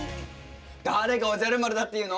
誰がおじゃる丸だっていうの。